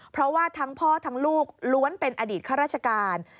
เพราะว่าทั้งพ่อทั้งลูกล้วนเป็นอดีตข้าราชการ